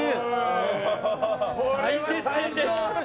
大接戦です